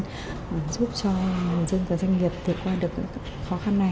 giúp cho người dân và doanh nghiệp trải qua được cái khó khăn này